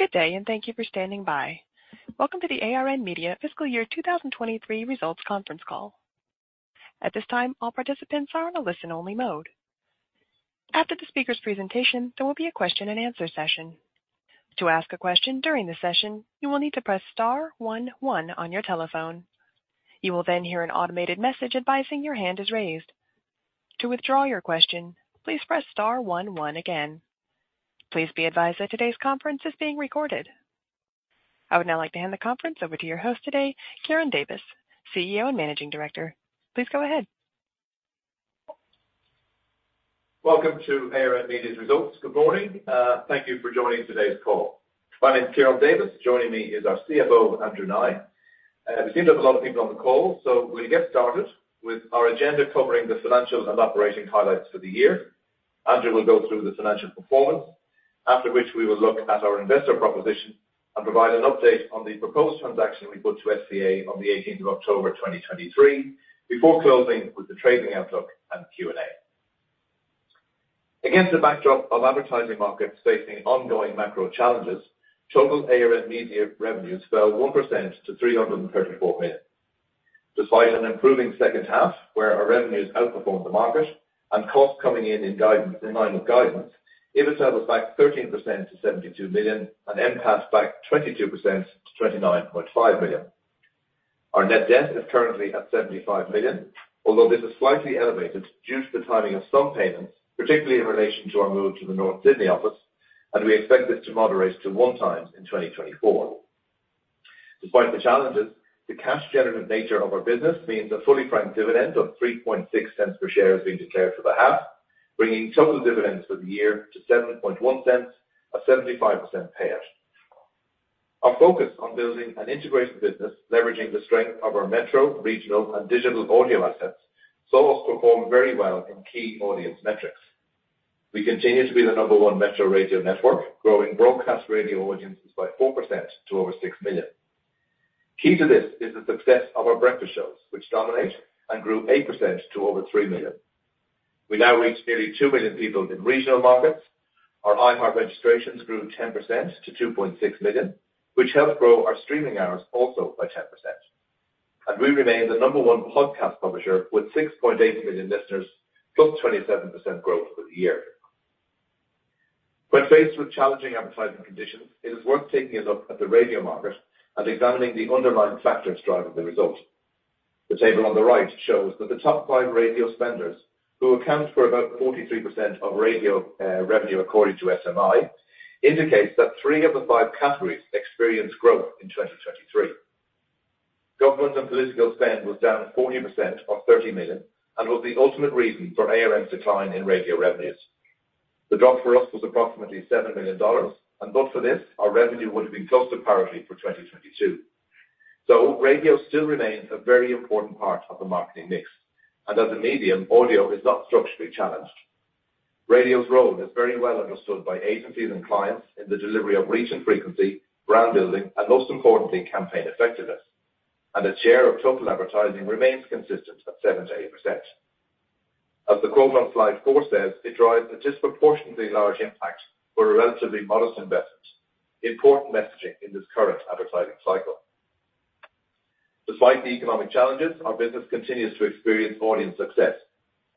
Good day, and thank you for standing by. Welcome to the ARN Media fiscal year 2023 results conference call. At this time, all participants are on a listen-only mode. After the speaker's presentation, there will be a question-and-answer session. To ask a question during the session, you will need to press star one one on your telephone. You will then hear an automated message advising your hand is raised. To withdraw your question, please press star one one again. Please be advised that today's conference is being recorded. I would now like to hand the conference over to your host today, Ciaran Davis, CEO and Managing Director. Please go ahead. Welcome to ARN Media's results. Good morning. Thank you for joining today's call. My name's Ciaran Davis. Joining me is our CFO, Andrew Nye. We seem to have a lot of people on the call, so we're gonna get started with our agenda covering the financial and operating highlights for the year. Andrew will go through the financial performance, after which we will look at our investor proposition and provide an update on the proposed transaction we put to SCA on the 18th of October, 2023, before closing with the trading outlook and Q&A. Against the backdrop of advertising markets facing ongoing macro challenges, total ARN Media revenues fell 1% to 334 million. Despite an improving second half where our revenues outperformed the market and costs coming in in guidance, in line with guidance, EBIT settled back 13% to 72 million and NPAT back 22% to 29.5 million. Our net debt is currently at 75 million, although this is slightly elevated due to the timing of some payments, particularly in relation to our move to the North Sydney office, and we expect this to moderate to 1x in 2024. Despite the challenges, the cash-generative nature of our business means a fully franked dividend of 0.036 per share is being declared for the half, bringing total dividends for the year to 0.071, a 75% payout. Our focus on building an integrated business leveraging the strength of our metro, regional, and digital audio assets saw us perform very well in key audience metrics. We continue to be the number one metro radio network, growing broadcast radio audiences by 4% to over 6 million. Key to this is the success of our breakfast shows, which dominate and grew 8% to over 3 million. We now reach nearly 2 million people in regional markets. Our iHeart registrations grew 10% to 2.6 million, which helped grow our streaming hours also by 10%. And we remain the number one podcast publisher with 6.8 million listeners, +27% growth for the year. When faced with challenging advertising conditions, it is worth taking a look at the radio market and examining the underlying factors driving the result. The table on the right shows that the top five radio spenders who account for about 43% of radio revenue according to SMI indicates that three of the five categories experienced growth in 2023. Government and political spend was down 40% or 30 million and was the ultimate reason for ARN's decline in radio revenues. The drop for us was approximately 7 million dollars, and but for this, our revenue would have been close to parity for 2022. So radio still remains a very important part of the marketing mix, and as a medium, audio is not structurally challenged. Radio's role is very well understood by agencies and clients in the delivery of reach and frequency, brand building, and most importantly, campaign effectiveness. The share of total advertising remains consistent at 78%. As the quote on slide four says, it drives a disproportionately large impact for a relatively modest investment. Important messaging in this current advertising cycle. Despite the economic challenges, our business continues to experience audience success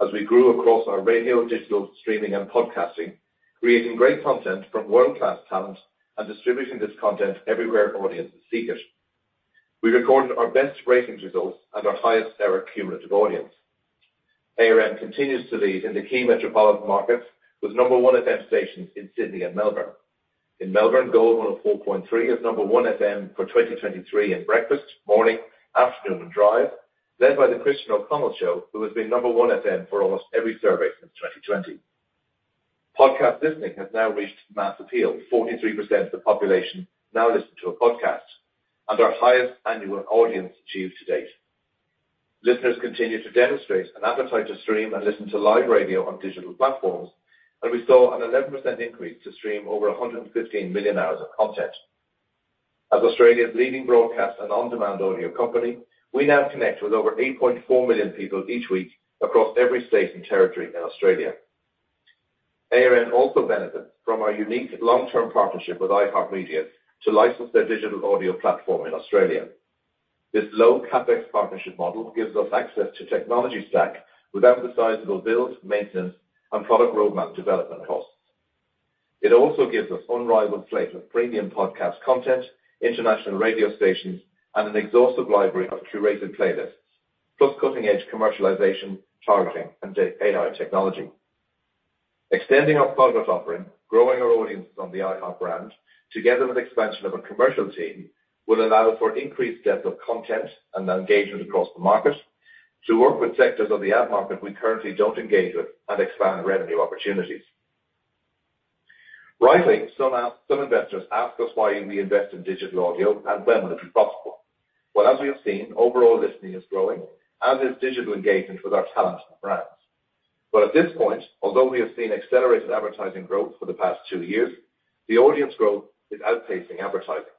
as we grew across our radio, digital streaming, and podcasting, creating great content from world-class talent and distributing this content everywhere audiences seek it. We recorded our best ratings results and our highest-ever cumulative audience. ARN continues to lead in the key metropolitan markets with number one FM stations in Sydney and Melbourne. In Melbourne, Gold 104.3 is number one FM for 2023 in breakfast, morning, afternoon, and drive, led by the Christian O'Connell Show, who has been number one FM for almost every survey since 2020. Podcast listening has now reached mass appeal. 43% of the population now listen to a podcast and our highest annual audience achieved to date. Listeners continue to demonstrate an appetite to stream and listen to live radio on digital platforms, and we saw an 11% increase to stream over 115 million hours of content. As Australia's leading broadcast and on-demand audio company, we now connect with over 8.4 million people each week across every state and territory in Australia. ARN also benefits from our unique long-term partnership with iHeartMedia to license their digital audio platform in Australia. This low-CapEx partnership model gives us access to technology stack without the sizeable build, maintenance, and product roadmap development costs. It also gives us unrivaled slate of premium podcast content, international radio stations, and an exhaustive library of curated playlists, plus cutting-edge commercialization, targeting, and the AI technology. Extending our product offering, growing our audiences on the iHeart brand, together with expansion of a commercial team, will allow for increased depth of content and engagement across the market to work with sectors of the ad market we currently don't engage with and expand revenue opportunities. Rightly, some investors ask us why we invest in digital audio and when will it be possible. Well, as we have seen, overall listening is growing as is digital engagement with our talent and brands. At this point, although we have seen accelerated advertising growth for the past two years, the audience growth is outpacing advertising.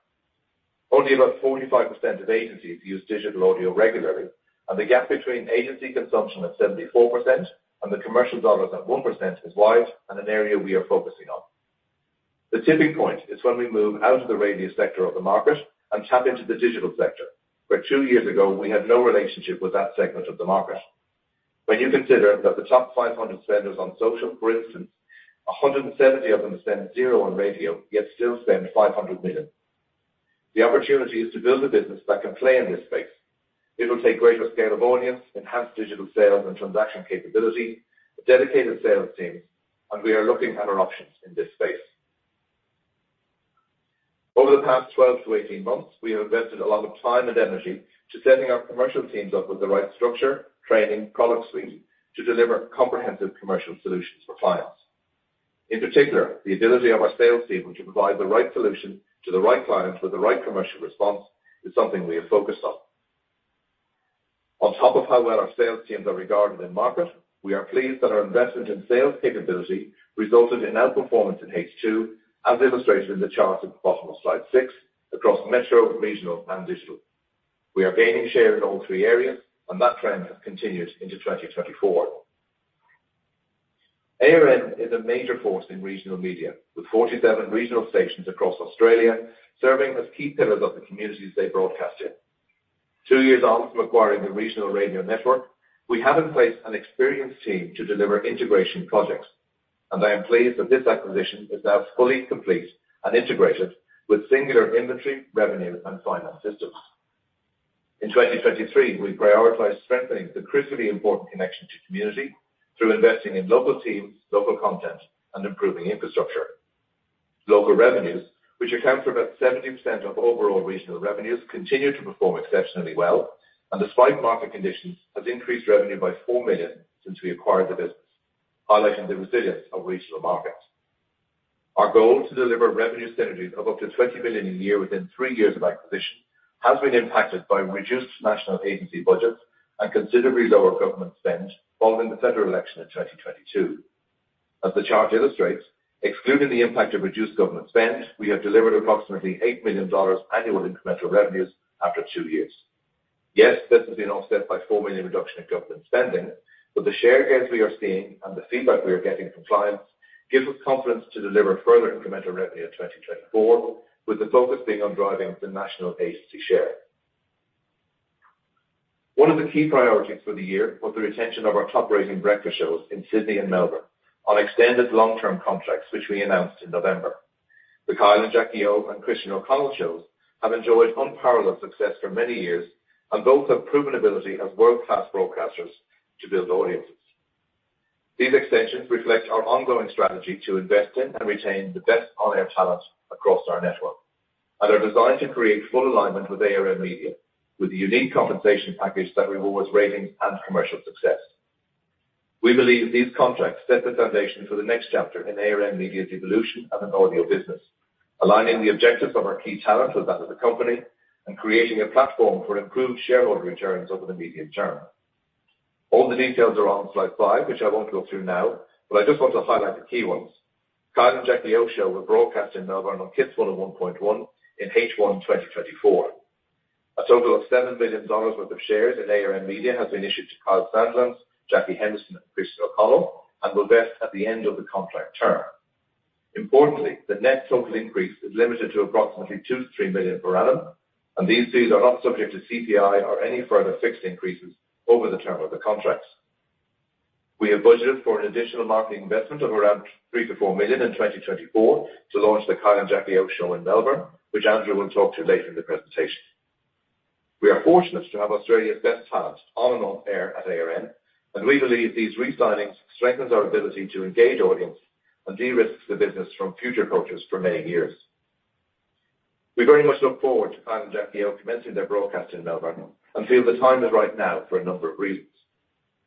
Only about 45% of agencies use digital audio regularly, and the gap between agency consumption at 74% and the commercial dollars at 1% is wide and an area we are focusing on. The tipping point is when we move out of the radio sector of the market and tap into the digital sector, where two years ago, we had no relationship with that segment of the market. When you consider that the top 500 spenders on social, for instance, 170 of them spend zero on radio yet still spend 500 million. The opportunity is to build a business that can play in this space. It'll take greater scale of audience, enhanced digital sales and transaction capability, dedicated sales teams, and we are looking at our options in this space. Over the past 12-18 months, we have invested a lot of time and energy to setting our commercial teams up with the right structure, training, product suite to deliver comprehensive commercial solutions for clients. In particular, the ability of our sales people to provide the right solution to the right clients with the right commercial response is something we have focused on. On top of how well our sales teams are regarded in market, we are pleased that our investment in sales capability resulted in outperformance in H2, as illustrated in the chart at the bottom of slide six, across metro, regional, and digital. We are gaining share in all three areas, and that trend has continued into 2024. ARN is a major force in regional media with 47 regional stations across Australia serving as key pillars of the communities they broadcast in. Two years on from acquiring the regional radio network, we have in place an experienced team to deliver integration projects, and I am pleased that this acquisition is now fully complete and integrated with singular inventory, revenue, and finance systems. In 2023, we prioritized strengthening the crucially important connection to community through investing in local teams, local content, and improving infrastructure. Local revenues, which account for about 70% of overall regional revenues, continue to perform exceptionally well, and despite market conditions, have increased revenue by 4 million since we acquired the business, highlighting the resilience of regional markets. Our goal to deliver revenue synergies of up to 20 million a year within three years of acquisition has been impacted by reduced national agency budgets and considerably lower government spend following the federal election in 2022. As the chart illustrates, excluding the impact of reduced government spend, we have delivered approximately 8 million dollars annual incremental revenues after two years. Yes, this has been offset by a 4 million reduction in government spending, but the share gains we are seeing and the feedback we are getting from clients give us confidence to deliver further incremental revenue in 2024, with the focus being on driving the national agency share. One of the key priorities for the year was the retention of our top-rating breakfast shows in Sydney and Melbourne on extended long-term contracts, which we announced in November. The Kyle and Jackie O and Christian O'Connell Shows have enjoyed unparalleled success for many years and both have proven ability as world-class broadcasters to build audiences. These extensions reflect our ongoing strategy to invest in and retain the best on-air talent across our network and are designed to create full alignment with ARN Media, with a unique compensation package that rewards ratings and commercial success. We believe these contracts set the foundation for the next chapter in ARN Media's evolution as an audio business, aligning the objectives of our key talent with that of the company and creating a platform for improved shareholder returns over the medium term. All the details are on slide five, which I won't go through now, but I just want to highlight the key ones. Kyle and Jackie O Show were broadcast in Melbourne on KIIS 101.1 in H1 2024. A total of 7 million dollars worth of shares in ARN Media has been issued to Kyle Sandilands, Jackie O Henderson, and Christian O'Connell and will vest at the end of the contract term. Importantly, the net total increase is limited to approximately 2 million-3 million per annum, and these fees are not subject to CPI or any further fixed increases over the term of the contracts. We have budgeted for an additional marketing investment of around 3 million-4 million in 2024 to launch the Kyle and Jackie O Show in Melbourne, which Andrew will talk to later in the presentation. We are fortunate to have Australia's best talent on and off air at ARN, and we believe these re-signings strengthen our ability to engage audiences and de-risk the business from future changes for many years. We very much look forward to Kyle and Jackie O commencing their broadcast in Melbourne and feel the time is right now for a number of reasons.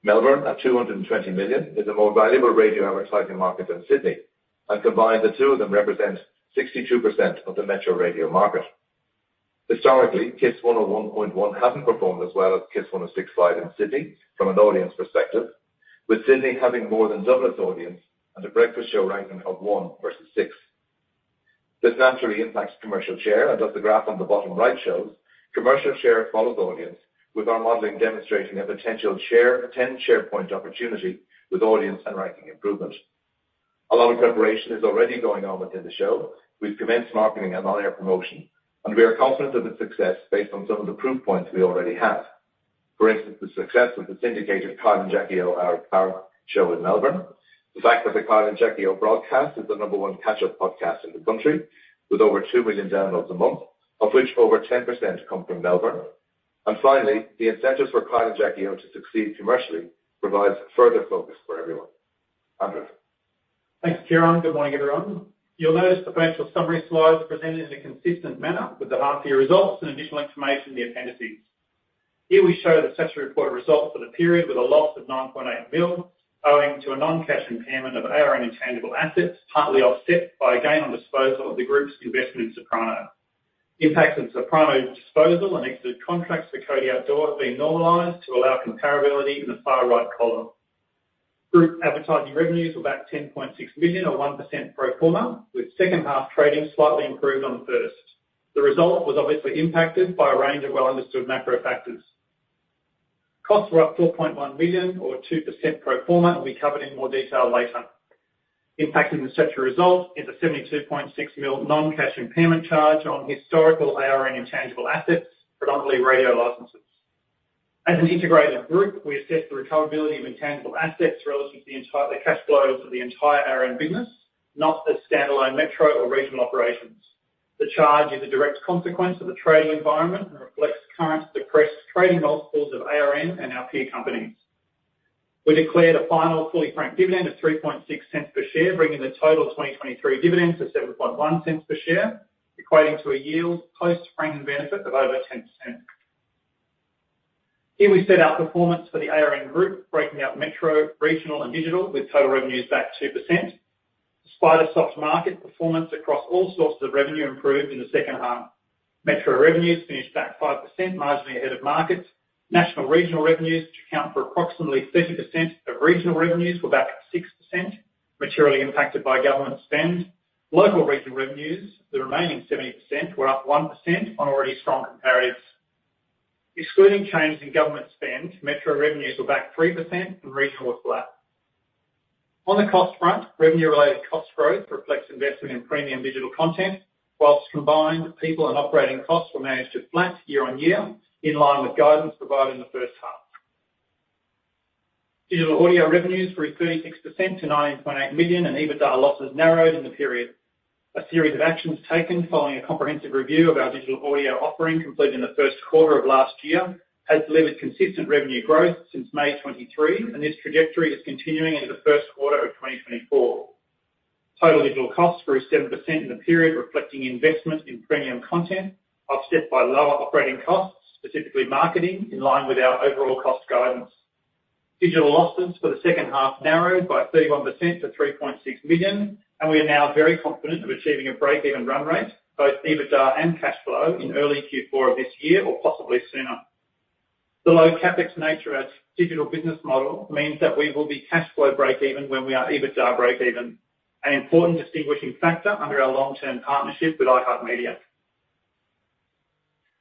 Melbourne, at 220 million, is a more valuable radio advertising market than Sydney, and combined, the two of them represent 62% of the metro radio market. Historically, KIIS 101.1 hasn't performed as well as KIIS 106.5 in Sydney from an audience perspective, with Sydney having more than double its audience and a breakfast show ranking of 1 versus 6. This naturally impacts commercial share, and as the graph on the bottom right shows, commercial share follows audience, with our modeling demonstrating a potential share 10 share point opportunity with audience and ranking improvement. A lot of preparation is already going on within the show. We've commenced marketing and on-air promotion, and we are confident of its success based on some of the proof points we already have. For instance, the success of the syndicated Kyle and Jackie O Hour of Power show in Melbourne, the fact that the Kyle and Jackie O broadcast is the number one catch-up podcast in the country with over 2 million downloads a month, of which over 10% come from Melbourne, and finally, the incentives for Kyle and Jackie O to succeed commercially provides further focus for everyone. Andrew. Thanks, Ciaran. Good morning, everyone. You'll notice the financial summary slides are presented in a consistent manner with the half-year results and additional information in the appendices. Here we show the statutory reported results for the period with a loss of 9.8 million owing to a non-cash impairment of ARN intangible assets partly offset by a gain on disposal of the group's investment in Soprano. Impacts of Soprano disposal and exited contracts for Cody Outdoor have been normalized to allow comparability in the far-right column. Group advertising revenues were back 10.6 million or 1% pro forma, with second-half trading slightly improved on the first. The result was obviously impacted by a range of well-understood macro factors. Costs were up 4.1 million or 2% pro forma, and we covered in more detail later. Impacting the statutory result is a 72.6 million non-cash impairment charge on historical ARN intangible assets, predominantly radio licenses. As an integrated group, we assess the recoverability of intangible assets relative to the entire cash flow of the entire ARN business, not as standalone metro or regional operations. The charge is a direct consequence of the trading environment and reflects current depressed trading multiples of ARN and our peer companies. We declared a final fully franked dividend of 0.036 per share, bringing the total 2023 dividends to 0.071 per share, equating to a yield post-franking benefit of over 10%. Here we set out performance for the ARN group, breaking out metro, regional, and digital with total revenues back 2%. Despite a soft market, performance across all sources of revenue improved in the second half. Metro revenues finished back 5%, marginally ahead of markets. National regional revenues, which account for approximately 30% of regional revenues, were back 6%, materially impacted by government spend. Local regional revenues, the remaining 70%, were up 1% on already strong comparatives. Excluding changes in government spend, metro revenues were back 3%, and regional were flat. On the cost front, revenue-related cost growth reflects investment in premium digital content, while combined, people and operating costs were managed to flat year-over-year in line with guidance provided in the first half. Digital audio revenues grew 36% to 19.8 million, and EBITDA losses narrowed in the period. A series of actions taken following a comprehensive review of our digital audio offering completed in the first quarter of last year has delivered consistent revenue growth since May 2023, and this trajectory is continuing into the first quarter of 2024. Total digital costs grew 7% in the period, reflecting investment in premium content, offset by lower operating costs, specifically marketing, in line with our overall cost guidance. Digital losses for the second half narrowed by 31% to 3.6 million, and we are now very confident of achieving a break-even run rate, both EBITDA and cash flow, in early Q4 of this year or possibly sooner. The low-CapEx nature of our digital business model means that we will be cash flow break-even when we are EBITDA break-even, an important distinguishing factor under our long-term partnership with iHeartMedia.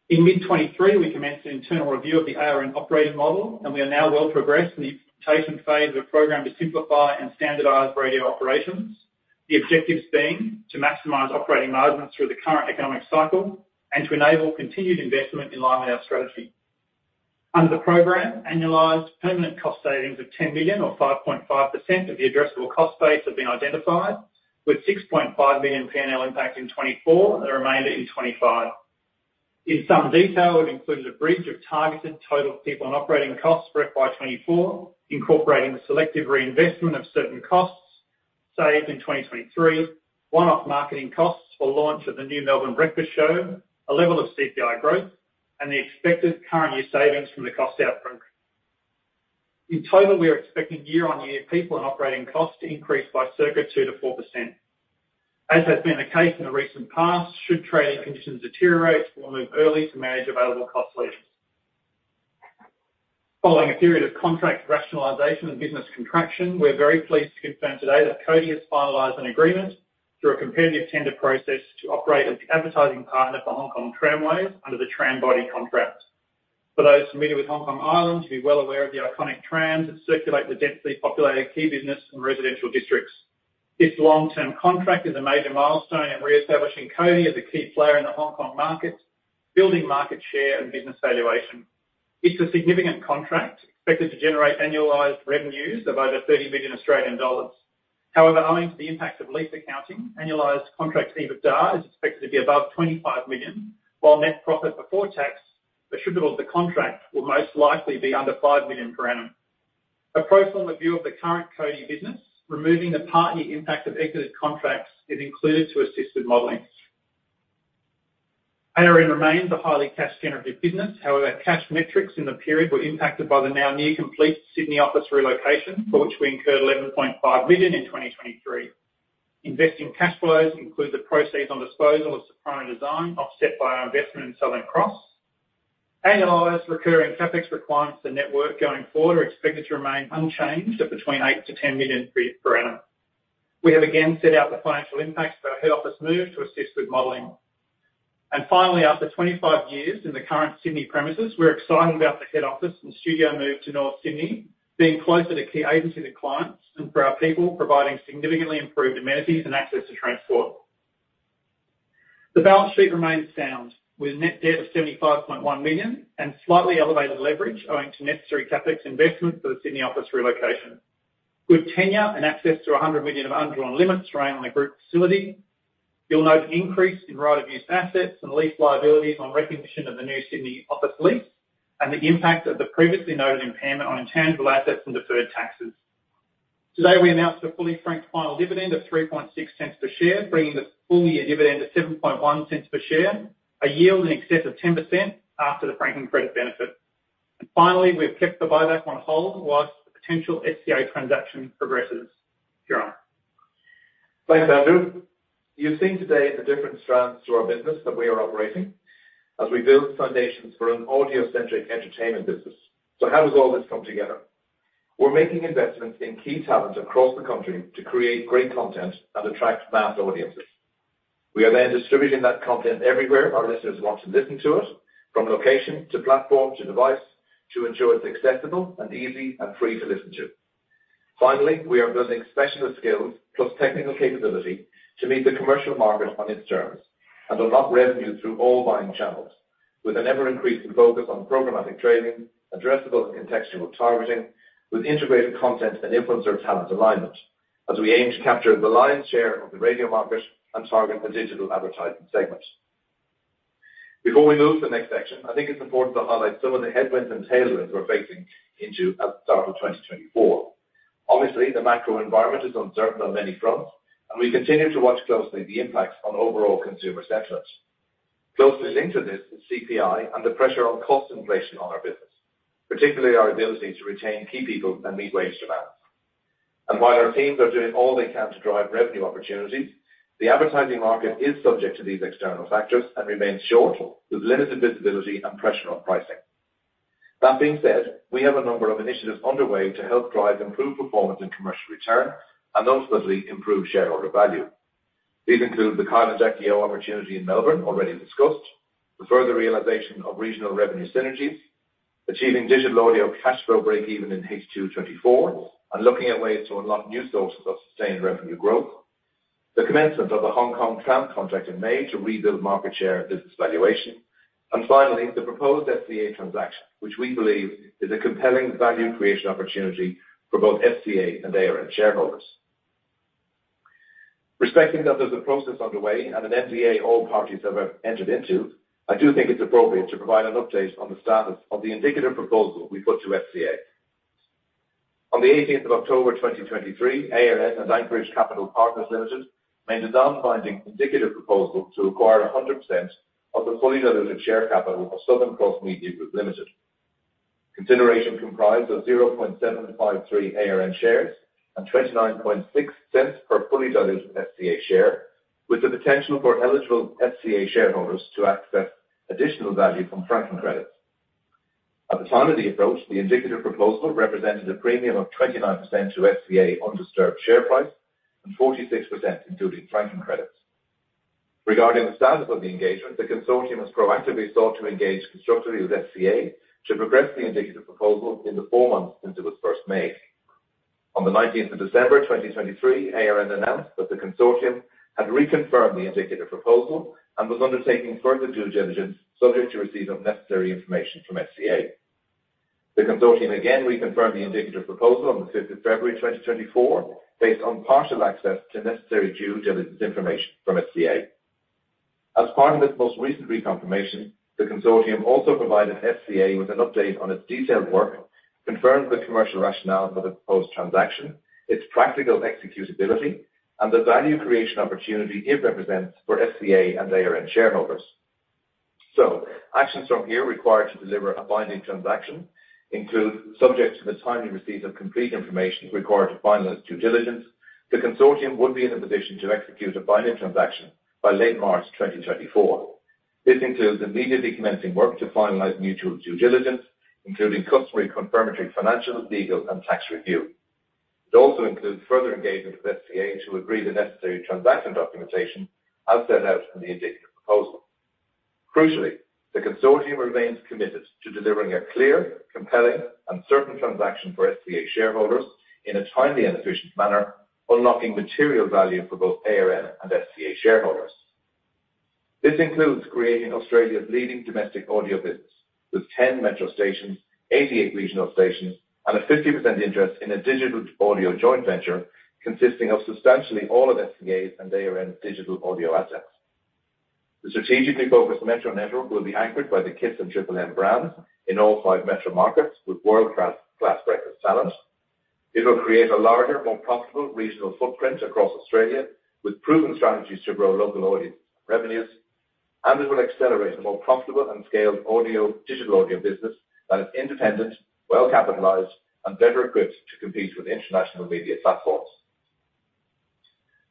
In mid-2023, we commenced an internal review of the ARN operating model, and we are now well progressed in the implementation phase of a program to simplify and standardize radio operations, the objectives being to maximize operating margins through the current economic cycle and to enable continued investment in line with our strategy. Under the program, annualized permanent cost savings of 10 million or 5.5% of the addressable cost base have been identified, with 6.5 million P&L impact in 2024 and the remainder in 2025. In some detail, we've included a bridge of targeted total people and operating costs break by 2024, incorporating the selective reinvestment of certain costs saved in 2023, one-off marketing costs for launch of the new Melbourne breakfast show, a level of CPI growth, and the expected current year savings from the cost out program. In total, we are expecting year-on-year people and operating costs to increase by circa 2%-4%. As has been the case in the recent past, should trading conditions deteriorate, we'll move early to manage available cost levers. Following a period of contract rationalization and business contraction, we're very pleased to confirm today that Cody has finalized an agreement through a competitive tender process to operate as the advertising partner for Hong Kong Tramways under the tram body contract. For those familiar with Hong Kong Island, you'll be well aware of the iconic trams that circulate the densely populated key business and residential districts. This long-term contract is a major milestone in reestablishing Cody as a key player in the Hong Kong market, building market share and business valuation. It's a significant contract, expected to generate annualized revenues of over 30 million Australian dollars. However, owing to the impact of lease accounting, annualized contract EBITDA is expected to be above AUD 25 million, while net profit before tax attributable to the contract will most likely be under AUD 5 million per annum. A pro forma view of the current Cody business, removing the partial impact of exited contracts, is included to assist with modeling. ARN remains a highly cash-generative business. However, cash metrics in the period were impacted by the now near-complete Sydney office relocation, for which we incurred 11.5 million in 2023. Investing cash flows include the proceeds on disposal of Soprano Design, offset by our investment in Southern Cross. Annualized recurring CapEx requirements for network going forward are expected to remain unchanged at between 8 million-10 million per annum. We have again set out the financial impacts of our head office move to assist with modeling. And finally, after 25 years in the current Sydney premises, we're excited about the head office and studio move to North Sydney, being closer to key agencies and clients and for our people providing significantly improved amenities and access to transport. The balance sheet remains sound, with net debt of 75.1 million and slightly elevated leverage owing to necessary CapEx investment for the Sydney office relocation. With tenor and access to 100 million of undrawn limits remain on the group facility, you'll note an increase in right-of-use assets and lease liabilities on recognition of the new Sydney office lease and the impact of the previously noted impairment on intangible assets and deferred taxes. Today, we announced a fully franked final dividend of 0.036 per share, bringing the full-year dividend to 0.071 per share, a yield in excess of 10% after the franking credit benefit. Finally, we've kept the buyback on hold while the potential SCA transaction progresses, Ciaran. Thanks, Andrew. You've seen today the different strands to our business that we are operating as we build foundations for an audio-centric entertainment business. So how does all this come together? We're making investments in key talent across the country to create great content and attract mass audiences. We are then distributing that content everywhere our listeners want to listen to it, from location to platform to device, to ensure it's accessible and easy and free to listen to. Finally, we are building specialist skills plus technical capability to meet the commercial market on its terms and unlock revenue through all buying channels, with an ever-increasing focus on programmatic trading, addressable and contextual targeting, with integrated content and influencer talent alignment as we aim to capture the lion's share of the radio market and target the digital advertising segment. Before we move to the next section, I think it's important to highlight some of the headwinds and tailwinds we're facing into as the start of 2024. Obviously, the macro environment is uncertain on many fronts, and we continue to watch closely the impacts on overall consumer sentiment. Closely linked to this is CPI and the pressure on cost inflation on our business, particularly our ability to retain key people and meet wage demands. And while our teams are doing all they can to drive revenue opportunities, the advertising market is subject to these external factors and remains short, with limited visibility and pressure on pricing. That being said, we have a number of initiatives underway to help drive improved performance and commercial return and ultimately improve shareholder value. These include the Kyle and Jackie O opportunity in Melbourne already discussed, the further realization of regional revenue synergies, achieving digital audio cash flow break-even in H2 2024, and looking at ways to unlock new sources of sustained revenue growth, the commencement of the Hong Kong tram contract in May to rebuild market share and business valuation, and finally, the proposed SCA transaction, which we believe is a compelling value creation opportunity for both SCA and ARN shareholders. Respecting that there's a process underway and an NDA all parties have entered into, I do think it's appropriate to provide an update on the status of the indicative proposal we put to SCA. On the 18th of October, 2023, ARN and Anchorage Capital Partners made a non-binding indicative proposal to acquire 100% of the fully diluted share capital of Southern Cross Media Group Limited. Consideration comprised of 0.753 ARN shares and 0.296 per fully diluted SCA share, with the potential for eligible SCA shareholders to access additional value from franking credits. At the time of the approach, the indicative proposal represented a premium of 29% to SCA undisturbed share price and 46% including franking credits. Regarding the status of the engagement, the consortium has proactively sought to engage constructively with SCA to progress the indicative proposal in the four months since it was first made. On the 19th of December, 2023, ARN announced that the consortium had reconfirmed the indicative proposal and was undertaking further due diligence subject to receipt of necessary information from SCA. The consortium again reconfirmed the indicative proposal on the 5th of February, 2024, based on partial access to necessary due diligence information from SCA. As part of this most recent reconfirmation, the consortium also provided SCA with an update on its detailed work, confirmed the commercial rationale for the proposed transaction, its practical executability, and the value creation opportunity it represents for SCA and ARN shareholders. So actions from here required to deliver a binding transaction include, subject to the timely receipt of complete information required to finalize due diligence, the consortium would be in a position to execute a binding transaction by late March, 2024. This includes immediately commencing work to finalize mutual due diligence, including customary confirmatory financial, legal, and tax review. It also includes further engagement with SCA to agree to necessary transaction documentation as set out in the indicative proposal. Crucially, the consortium remains committed to delivering a clear, compelling, and certain transaction for SCA shareholders in a timely and efficient manner, unlocking material value for both ARN and SCA shareholders. This includes creating Australia's leading domestic audio business, with 10 metro stations, 88 regional stations, and a 50% interest in a digital audio joint venture consisting of substantially all of SCA's and ARN's digital audio assets. The strategically focused metro network will be anchored by the KIIS and Triple M brands in all five metro markets with world-class breakfast talent. It will create a larger, more profitable regional footprint across Australia with proven strategies to grow local audience revenues, and it will accelerate a more profitable and scaled digital audio business that is independent, well-capitalized, and better equipped to compete with international media platforms.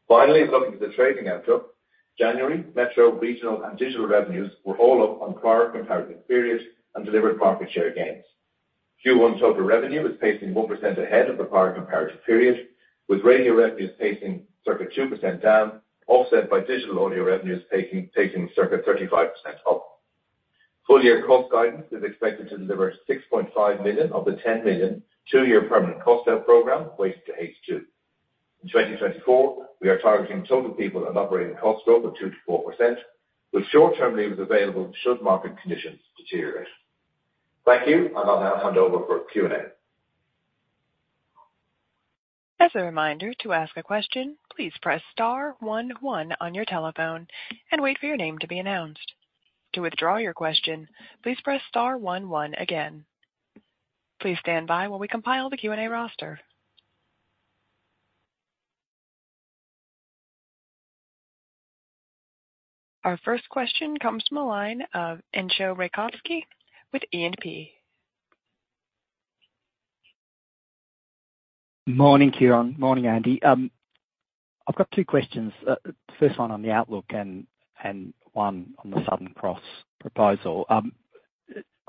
Finally, looking at the trading outlook, January metro regional and digital revenues were all up on prior comparative period and delivered market share gains. Q1 total revenue is pacing 1% ahead of the prior comparative period, with radio revenues pacing circa 2% down, offset by digital audio revenues pacing circa 35% up. Full-year cost guidance is expected to deliver 6.5 million of the 10 million two-year permanent cost out program weighted to H2. In 2024, we are targeting total people and operating cost growth of 2%-4%, with short-term leaves available should market conditions deteriorate. Thank you, and I'll now hand over for Q&A. As a reminder, to ask a question, please press star one one on your telephone and wait for your name to be announced. To withdraw your question, please press star one one again. Please stand by while we compile the Q&A roster. Our first question comes from a line of Entcho Raykovski with E&P. Morning, Ciaran. Morning, Andy. I've got two questions. The first one on the outlook and one on the Southern Cross proposal.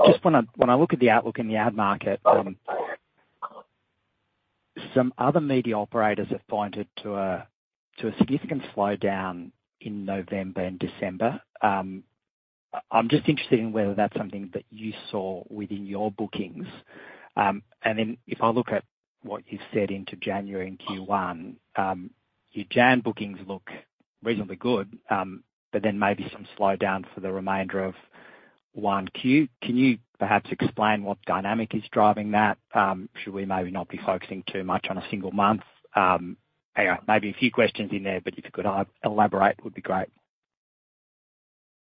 Just when I look at the outlook in the ad market, some other media operators have pointed to a significant slowdown in November and December. I'm just interested in whether that's something that you saw within your bookings. And then if I look at what you've said into January and Q1, your January bookings look reasonably good, but then maybe some slowdown for the remainder of 1Q. Can you perhaps explain what dynamic is driving that? Should we maybe not be focusing too much on a single month? Maybe a few questions in there, but if you could elaborate, it would be great.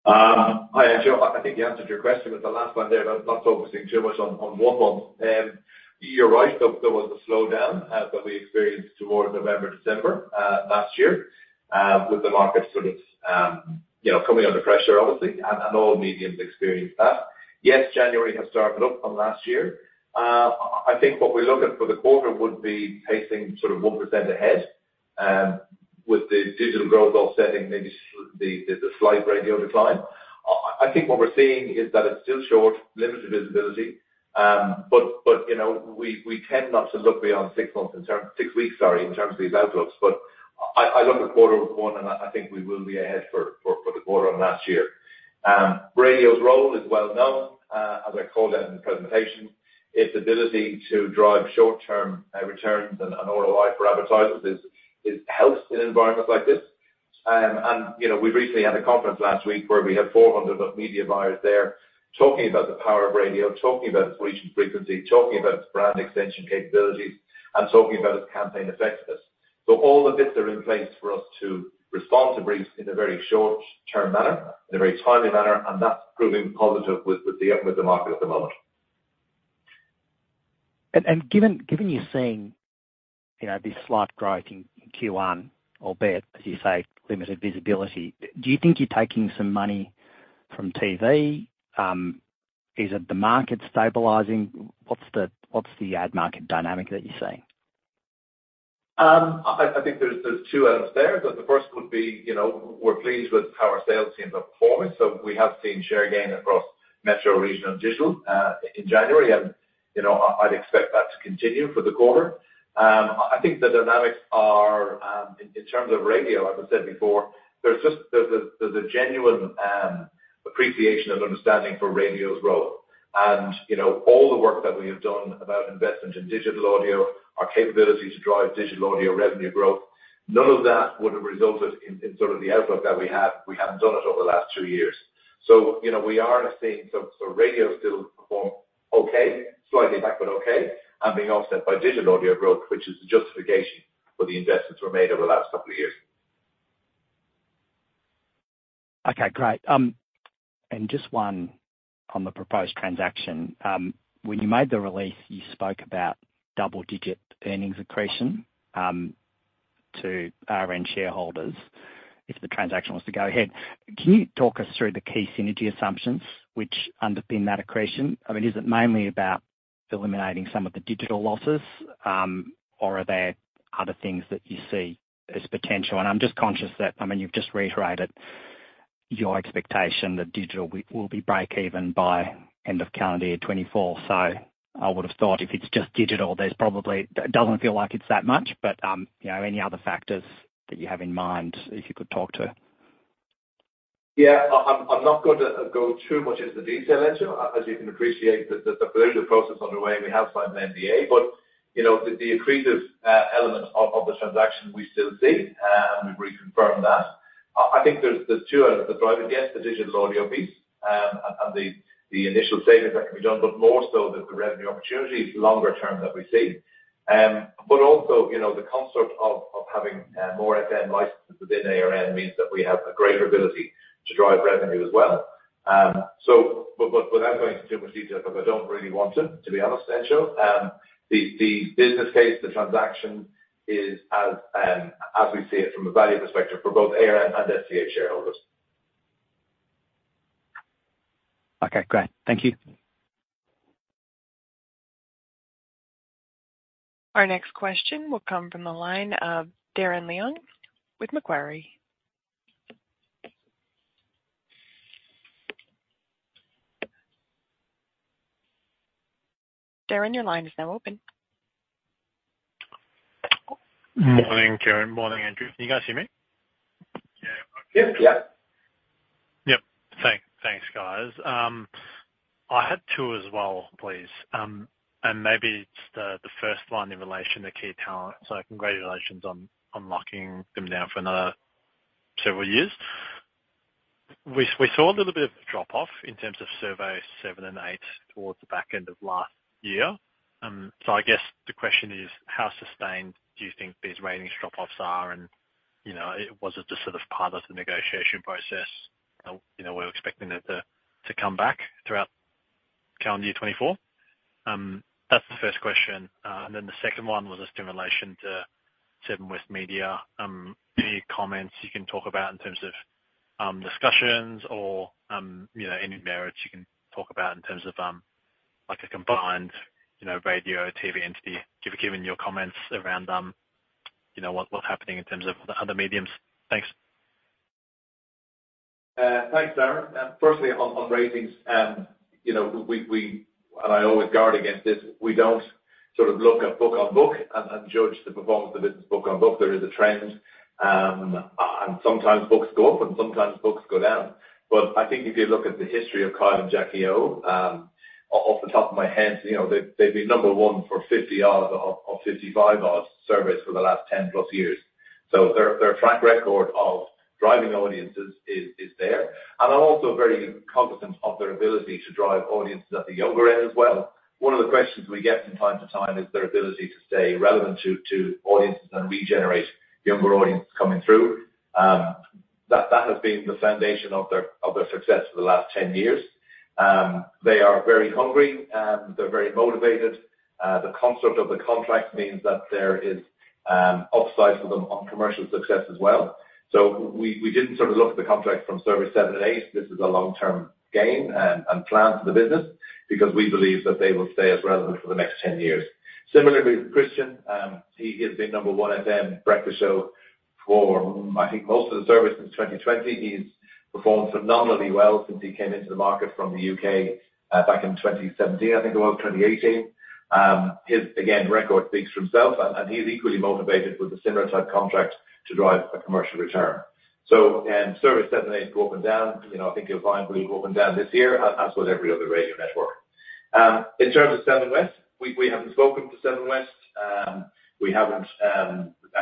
Hi, Entcho. I think you answered your question, but the last one there, but not focusing too much on one month. You're right. There was a slowdown that we experienced towards November, December last year, with the market sort of coming under pressure, obviously, and all mediums experienced that. Yes, January has started up on last year. I think what we look at for the quarter would be pacing sort of 1% ahead with the digital growth offsetting maybe the slight radio decline. I think what we're seeing is that it's still short, limited visibility, but we tend not to look beyond six months in terms six weeks, sorry, in terms of these outlooks. But I look at quarter one, and I think we will be ahead for the quarter on last year. Radio's role is well known, as I called out in the presentation, its ability to drive short-term returns and ROI for advertisers is helped in environments like this. We recently had a conference last week where we had 400 media buyers there talking about the power of radio, talking about its reach and frequency, talking about its brand extension capabilities, and talking about its campaign effectiveness. So all of this are in place for us to respond to briefs in a very short-term manner, in a very timely manner, and that's proving positive with the market at the moment. And given you're saying this strong growth in Q1, albeit, as you say, limited visibility, do you think you're taking some money from TV? Is the market stabilizing? What's the ad market dynamic that you're seeing? I think there's two elements there. The first would be we're pleased with how our sales teams are performing. So we have seen share gain across metro, regional, digital in January, and I'd expect that to continue for the quarter. I think the dynamics are in terms of radio, as I said before, there's a genuine appreciation and understanding for radio's role. And all the work that we have done about investment in digital audio, our capability to drive digital audio revenue growth, none of that would have resulted in sort of the outlook that we had. We haven't done it over the last two years. So we are seeing so radio still perform okay, slightly back, but okay, and being offset by digital audio growth, which is the justification for the investments we're made over the last couple of years. Okay, great. And just one on the proposed transaction. When you made the release, you spoke about double-digit earnings accretion to ARN shareholders if the transaction was to go ahead. Can you talk us through the key synergy assumptions which underpin that accretion? I mean, is it mainly about eliminating some of the digital losses, or are there other things that you see as potential? And I'm just conscious that I mean, you've just reiterated your expectation that digital will be break-even by end of calendar year 2024. So I would have thought if it's just digital, there's probably it doesn't feel like it's that much, but any other factors that you have in mind if you could talk to? Yeah, I'm not going to go too much into the detail, Entcho. As you can appreciate, there is a process underway, and we have signed an NDA. But the accretive element of the transaction, we still see, and we've reconfirmed that. I think there's two elements that drive it, yes, the digital audio piece and the initial savings that can be done, but more so the revenue opportunities longer-term that we see. But also, the concept of having more FM licenses within ARN means that we have a greater ability to drive revenue as well. But without going into too much detail, because I don't really want to, to be honest, Entcho, the business case, the transaction is as we see it from a value perspective for both ARN and SCA shareholders. Okay, great. Thank you. Our next question will come from the line of Darren Leung with Macquarie. Darren, your line is now open. Morning, Ciaran. Morning, Andrew. Can you guys hear me? Yeah. Yep. Yep. Yep. Thanks, guys. I had two as well, please. And maybe it's the first line in relation, the key talent. So congratulations on locking them down for another several years. We saw a little bit of drop-off in terms of Survey 7 and 8 towards the back end of last year. So I guess the question is, how sustained do you think these ratings drop-offs are? And was it just sort of part of the negotiation process? Were we expecting it to come back throughout calendar year 2024? That's the first question. And then the second one was just in relation to Seven West Media. Any comments you can talk about in terms of discussions or any merits you can talk about in terms of a combined radio/TV entity? Given your comments around what's happening in terms of the other mediums. Thanks. Thanks, Darren. Firstly, on ratings, and I always guard against this, we don't sort of look at book on book and judge the performance of the business book on book. There is a trend, and sometimes books go up and sometimes books go down. But I think if you look at the history of Kyle and Jackie O, off the top of my head, they've been number one for 50 hours of 55-hour surveys for the last 10+ years. So their track record of driving audiences is there. And I'm also very cognizant of their ability to drive audiences at the younger end as well. One of the questions we get from time to time is their ability to stay relevant to audiences and regenerate younger audiences coming through. That has been the foundation of their success for the last 10 years. They are very hungry. They're very motivated. The concept of the contract means that there is upside for them on commercial success as well. So we didn't sort of look at the contract from Survey 7 and 8. This is a long-term gain and plan for the business because we believe that they will stay as relevant for the next 10 years. Similarly, Christian, he has been number one FM breakfast show for, I think, most of the survey since 2020. He's performed phenomenally well since he came into the market from the U.K. back in 2017, I think it was, 2018. His, again, record speaks for himself, and he's equally motivated with a similar type contract to drive a commercial return. So Survey 7 and 8 go up and down. I think you'll find we go up and down this year as with every other radio network. In terms of Seven West, we haven't spoken to Seven West. In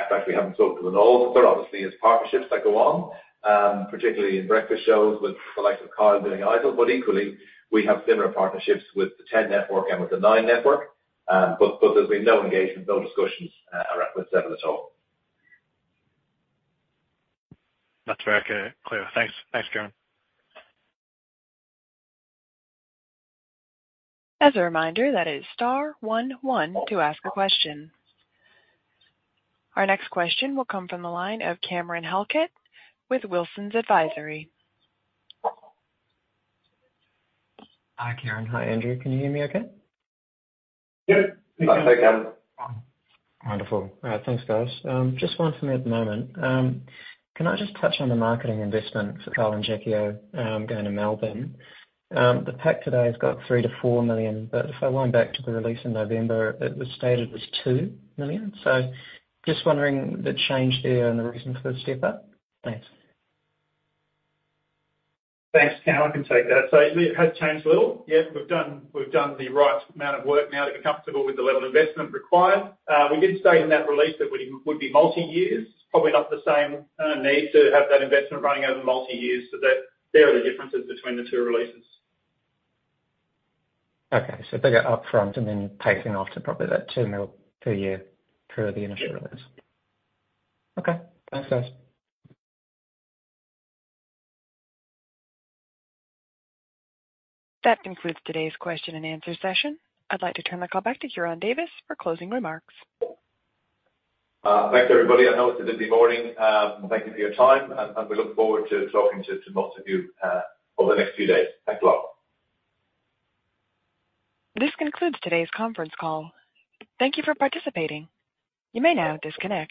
fact, we haven't spoken to them at all. Sort of, obviously, it's partnerships that go on, particularly in breakfast shows with the likes of Kyle doing Idol. But equally, we have similar partnerships with the Network 10 and with the Nine Network. But there's been no engagement, no discussions with Seven at all. That's very clear. Thanks, Ciaran. As a reminder, that is star one one to ask a question. Our next question will come from the line of Cameron Halkett with Wilsons Advisory. Hi, Ciaran. Hi, Andrew. Can you hear me okay? Yep. Thank you. Wonderful. Thanks, guys. Just one for me at the moment. Can I just touch on the marketing investment for Kyle and Jackie O going to Melbourne? The pack today has got 3 million-4 million, but if I went back to the release in November, it was stated as 2 million. So just wondering the change there and the reason for the step-up. Thanks. Thanks, Cameron. I can take that. So it has changed little. Yep, we've done the right amount of work now to be comfortable with the level of investment required. We did state in that release that it would be multi-years. It's probably not the same need to have that investment running over multi-years. So there are the differences between the two releases. Okay. So bigger upfront and then pacing off to probably that 2 million per year per the initial release. Okay. Thanks, guys. That concludes today's question and answer session. I'd like to turn the call back to Ciaran Davis for closing remarks. Thanks, everybody. I know it's a busy morning. Thank you for your time, and we look forward to talking to lots of you over the next few days. Thanks a lot. This concludes today's conference call. Thank you for participating. You may now disconnect.